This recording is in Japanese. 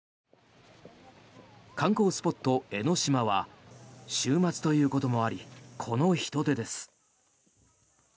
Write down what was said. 観光スポット、江の島は週末ということもありこの人出です。